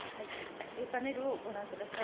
パネルをご覧ください。